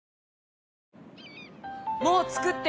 もう着くって！